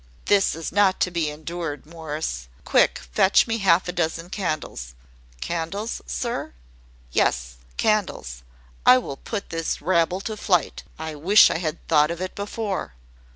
"This is not to be endured. Morris, quick! Fetch me half a dozen candles!" "Candles, sir?" "Yes, candles. I will put this rabble to flight. I wish I had thought of it before."